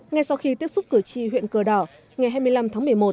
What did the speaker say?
ngay sau khi tiếp xúc cử tri huyện cờ đỏ ngày hai mươi năm tháng một mươi một